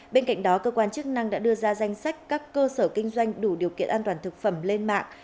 bên cạnh đó cơ quan chức năng đã đưa ra danh sách các cơ sở kinh doanh đủ điều kiện an toàn thực phẩm lên mạng